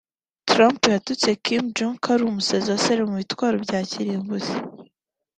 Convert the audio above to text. Trump yatutse Kim Jong ko ari umusazi wasariye mu bitwaro bya kirimbuzi